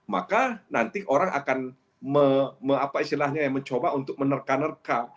maka nanti orang akan mencoba untuk menerka nerka